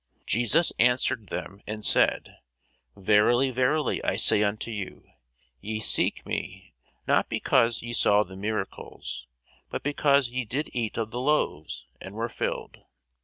Jesus answered them and said, Verily, verily, I say unto you, Ye seek me, not because ye saw the miracles, but because ye did eat of the loaves, and were filled.